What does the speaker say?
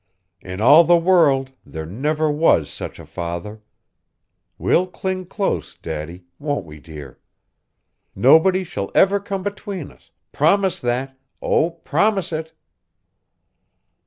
In all the world there never was such a father! We'll cling close, Daddy, won't we, dear? Nobody shall ever come between us, promise that, oh, promise it!"